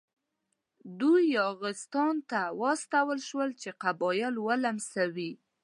دوی یاغستان ته واستول شول چې قبایل ولمسوي.